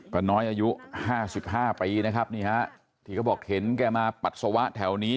ป้าน้อยอายุห้าสิบห้าปีนะครับนี่ฮะที่เขาบอกเห็นแกมาปัดสวะแถวนี้